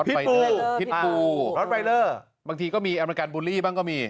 พิษปูบางทีก็มีอัลเมริกาบุลลี่บ้างก็มี